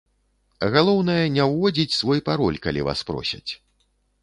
Галоўнае, не ўводзіць свой пароль, калі вас просяць.